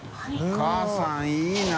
お母さんいいな。